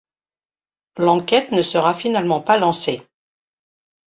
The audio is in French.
L'enquête ne sera finalement pas lancée.